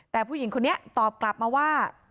แต่ผู้หญิงคนนี้ตอบกลับมาว่า